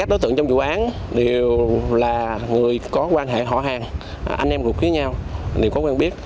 đối tượng trong vụ án đều là người có quan hệ họ hàng anh em gồm ký nhau đều có quen biết